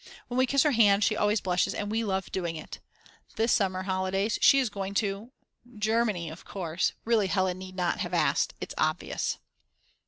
When we kiss her hand she always blushes, and we love doing it. This summer holidays she is going to Germany, of course; really Hella need not have asked; it's obvious!!!